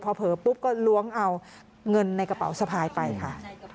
พอเผลอปุ๊บก็ล้วงเอาเงินในกระเป๋าสะพายไปค่ะ